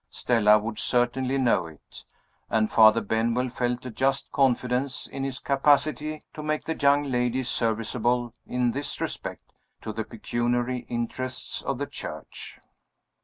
Stella would certainly know it and Father Benwell felt a just confidence in his capacity to make the young lady serviceable, in this respect, to the pecuniary interests of the Church.